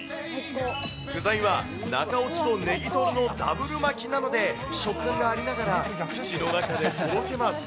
具材は中落ちとネギトロのダブル巻きなので、食感がありながら、口の中でとろけます。